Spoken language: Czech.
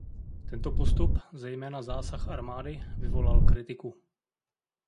Tento postup, zejména zásah armády, vyvolal kritiku.